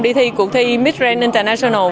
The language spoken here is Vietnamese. đi thi cuộc thi mid range international